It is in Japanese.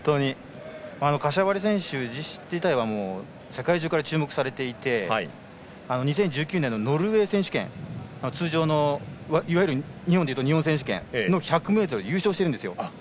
カシャファリ選手自体は世界中から注目されていて２０１９年のノルウェー選手権いわゆる日本でいうと日本選手権の１００ｍを優勝しているんですよ。